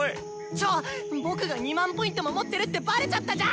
ちょっ僕が２００００Ｐも持ってるってバレちゃったじゃん！